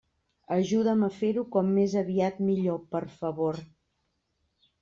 Ajuda'm a fer-ho com més aviat millor, per favor.